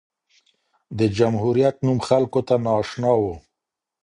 د جمهوریت نوم خلکو ته نااشنا و.